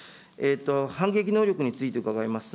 反撃能力について伺います。